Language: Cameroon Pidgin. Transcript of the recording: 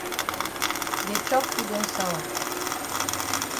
De chop fit don sawa.